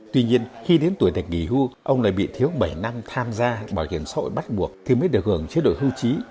tuy nhiên khi đến tuổi được nghỉ hưu ông lại bị thiếu bảy năm tham gia bảo hiểm xã hội bắt buộc thì mới được hưởng chế độ hưu trí